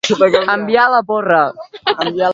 Enviar a la porra.